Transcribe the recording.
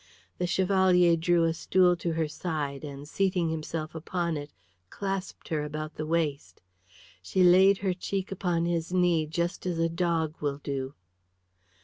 The Chevalier drew a stool to her side and seating himself upon it clasped her about the waist. She laid her cheek upon his knee just as a dog will do.